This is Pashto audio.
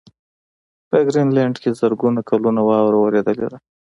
په ګرینلنډ کې زرګونه کلونه واوره ورېدلې ده.